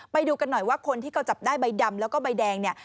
ไปดูกันหน่อยว่าคนที่เขาจับได้ใบดำแล้วก็ใบแดงเนี่ย